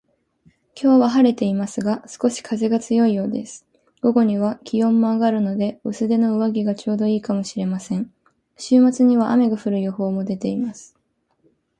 今日は晴れていますが、少し風が強いようです。午後には気温も上がるので、薄手の上着がちょうど良いかもしれません。週末には雨が降る予報も出ています